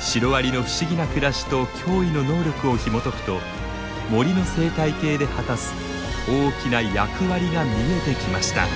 シロアリの不思議な暮らしと驚異の能力をひもとくと森の生態系で果たす大きな役割が見えてきました。